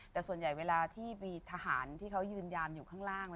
แต่ส่วนใหญ่เวลาที่มีทหารที่เขายืนยามอยู่ข้างล่าง